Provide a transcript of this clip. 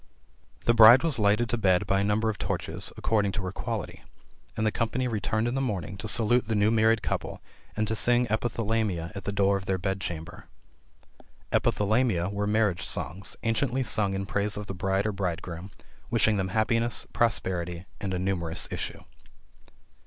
The bride was lighted to bed by a number of torches, according to her quality; and the company returned in the morning to salute the new married couple, and to sing epithalamia at the door of their bed chamber. Epithalamia were marriage songs, anciently sung in praise of the bride or bridegroom, wishing them happiness, prosperity and a numerous issue.